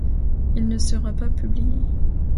Il ne sera pas publié.